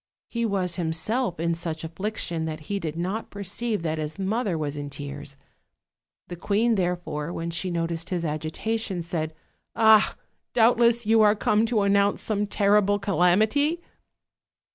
He was himself in such affliction that he did not perceive that his mother was in tears. The queen, therefore, when she noticed his agitation, said: "Ah! doubtless you are come to announce some terrible calamity?"